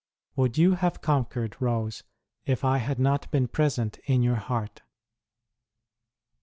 : Would you have conquered, Rose, if I had not been present in your heart?